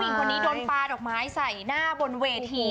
แต่แม่คือผู้หญิงคนนี้ดนปลาดอกไม้ใส่หน้าบนเวที